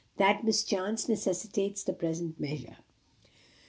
That mischance necessitates the present measure.